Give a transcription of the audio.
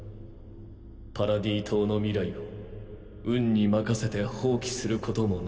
パラディ島の未来を運に任せて放棄することもない。